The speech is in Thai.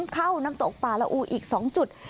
เข้าน้ำตกป่าละอูอีก๒จุด